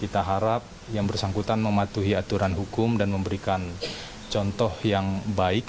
kita harap yang bersangkutan mematuhi aturan hukum dan memberikan contoh yang baik